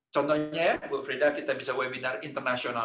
contohnya ya bu frida kita bisa webinar internasional